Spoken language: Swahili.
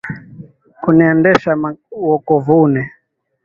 Huniendesha wokovuni.